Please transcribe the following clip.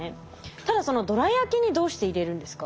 ただそのどら焼きにどうして入れるんですか？